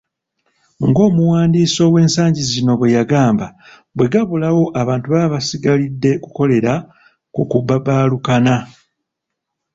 Ng'omuwandiisi ow'ensangi zino bwe yagamba, bwe gabulawo abantu baba basigalidde kukolera ku kubabaalukana.